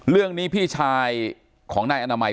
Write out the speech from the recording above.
เรื่องนี้พี่ชายของนายอนามัย